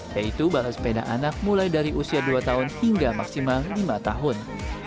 yaitu balap sepeda anak mulai dari usia dua tahun hingga maksimal lima tahun